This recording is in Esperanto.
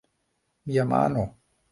Mia mano...